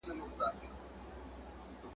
چي په شا یې وو خورجین چي پر ده بار وو !.